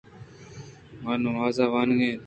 ۔آ نماز وان اَنت۔